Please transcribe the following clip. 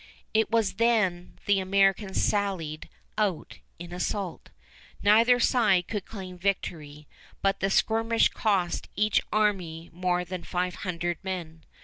It was then the Americans sallied out in assault. Neither side could claim victory, but the skirmish cost each army more than five hundred men.